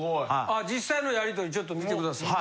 実際のやりとりちょっと見てください。